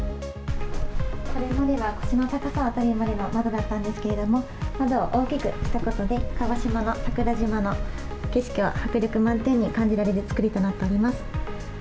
これまでは、腰の高さまでの窓だったんですけれども、窓を大きくしたことで、鹿児島の桜島の景色を、迫力満点に感じられる造りとなっています。